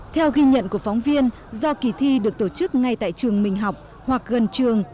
theo ghi nhận của phóng viên do kỳ thi được tổ chức ngay tại trường mình học hoặc gần trường